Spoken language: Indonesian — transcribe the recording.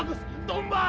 tunggu tunggu tunggu